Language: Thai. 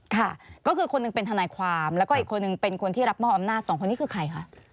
ค่ะก็คือคนหนึ่งเป็นทนายความแล้วก็อีกคนหนึ่งเป็นคนที่รับมอบอำนาจสองคนนี้คือใครคะ